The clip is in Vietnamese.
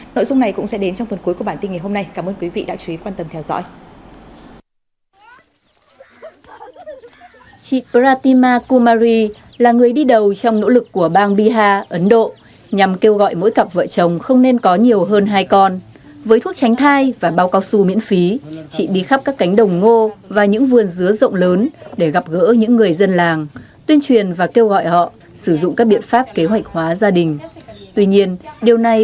nội dung này cũng sẽ đến trong phần cuối của bản tin ngày hôm nay